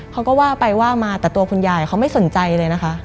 เขาก็ว่าไปว่ามาแต่ตัวคุณยายเขาไม่สนใจเลยนะคะ